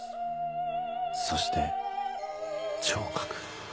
そして聴覚